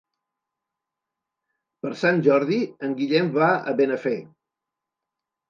Per Sant Jordi en Guillem va a Benafer.